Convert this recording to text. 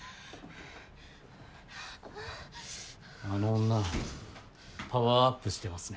あの女パワーアップしてますね。